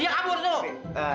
dia kabur dulu